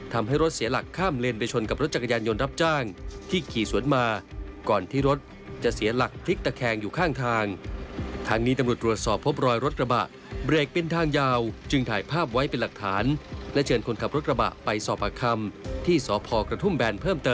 ทำให้รถเสียหลักข้ามเลนไปชนกับรถจักรยานยนต์รับจ้างที่ขี่ซวนมา